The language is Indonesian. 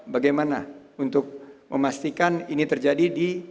bagaimana untuk memastikan ini terjadi di